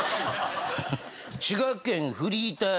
滋賀県フリーター